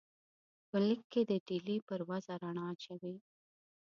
په لیک کې د ډهلي پر وضع رڼا اچوي.